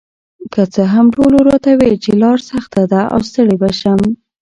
که څه هم ټولو راته ویل چې لار سخته ده او ستړې به شم،